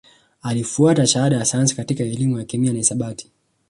Alifuata Shahada ya Sayansi katika Elimu ya Kemia na Hisabati